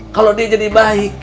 kalau dia jadi baik